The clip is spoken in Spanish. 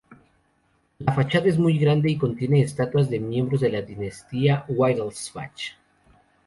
La fachada es muy grande y contiene estatuas de miembros de la dinastía Wittelsbach.